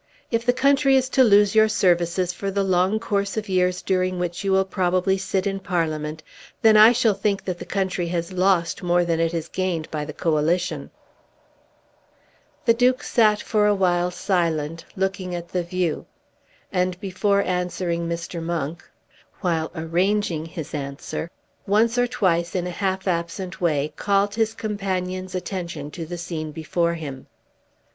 If the country is to lose your services for the long course of years during which you will probably sit in Parliament, then I shall think that the country has lost more than it has gained by the Coalition." The Duke sat for a while silent, looking at the view, and, before answering Mr. Monk, while arranging his answer, once or twice in a half absent way, called his companion's attention to the scene before him.